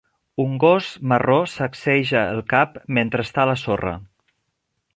Un gos marró sacseja el cap mentre està a la sorra.